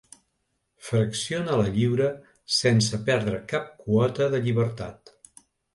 Fracciona la lliura sense perdre cap quota de llibertat.